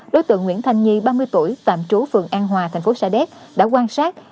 đối tượng nguyễn thành nhi ba mươi tuổi tạm trú phường an hòa thành phố sa đéc đã quan sát